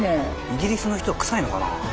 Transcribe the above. イギリスの人はくさいのかな？